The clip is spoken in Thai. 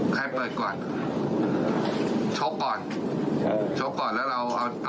ใครเปิดก่อนโชคก่อนโชคก่อนแล้วเราเอามีนแทง